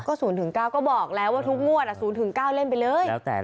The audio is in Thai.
ก็๐๙ก็บอกแล้วว่าทุกงวด๐๙เล่นไปเลย